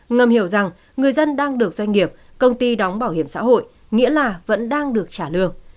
ngầm hiểu rằng người dân đang được doanh nghiệp công ty đóng bảo hiểm xã hội nghĩa là vẫn đang được trả lương